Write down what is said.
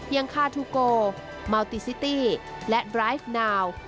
อย่างคาทูโกมาวติซิตี้และดรายสนาว